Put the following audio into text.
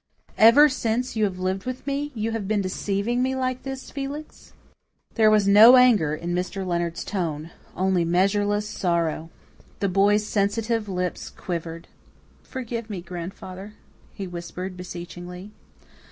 "Ever since you have lived with me you have been deceiving me like this, Felix?" There was no anger in Mr. Leonard's tone only measureless sorrow. The boy's sensitive lips quivered. "Forgive me, grandfather," he whispered beseechingly.